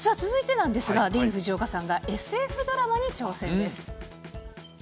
続いてなんですが、ディーン・フジオカさんが、ＳＦドラマに挑戦です。